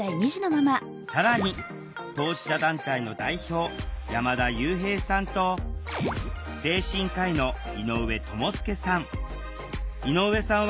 更に当事者団体の代表山田悠平さんと精神科医の井上智介さん。